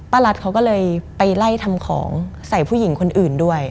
รัฐเขาก็เลยไปไล่ทำของใส่ผู้หญิงคนอื่นด้วย